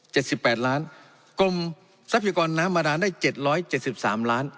สิบแปดล้านกรมทรัพยากรน้ำบาดานได้เจ็ดร้อยเจ็ดสิบสามล้าน